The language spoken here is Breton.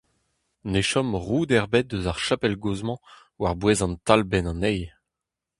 Ne chom roud ebet eus ar chapel gozh-mañ war-bouez an talbenn anezhi.